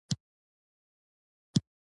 وزې اوږده غوږونه لري